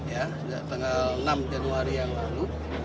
ya sejak tanggal enam januari yang lalu